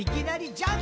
ジャンプ。